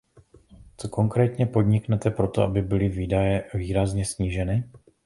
Co konkrétně podniknete pro to, aby byly výdaje výrazně sníženy?